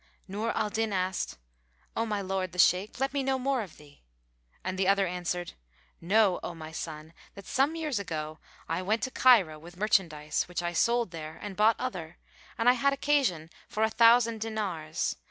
Nur al Din asked, "O my lord the Shaykh, let me know more of thee"; and the other answered, "Know, O my son, that some years ago I went to Cairo with merchandise, which I sold there and bought other, and I had occasion for a thousand dinars.